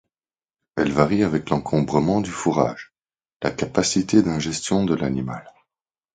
Elle varie avec l'encombrement du fourrage, la capacité d'ingestion de l'animal.